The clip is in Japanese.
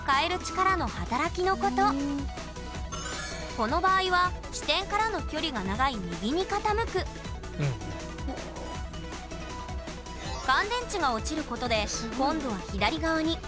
この場合は支点からの距離が長い右に傾く乾電池が落ちることで今度は左側に。